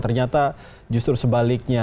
ternyata justru sebaliknya